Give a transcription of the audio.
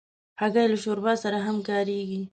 هګۍ له شوربا سره هم کارېږي.